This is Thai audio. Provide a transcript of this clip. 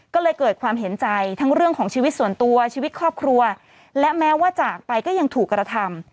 ก็เลยเกิดความเห็นใจทั้งเรื่องของชีวิตส่วนตัวชีวิตครอบครัวและแม้ว่าจากไปก็ยังถูกกระทำ